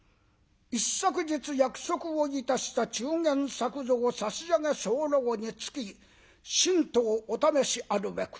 「『一昨日約束をいたした中間作蔵を差し上げ候につき新刀お試しあるべく。